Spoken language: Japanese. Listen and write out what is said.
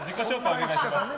お願いします。